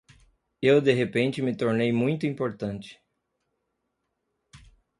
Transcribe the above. Eu de repente me tornei muito importante.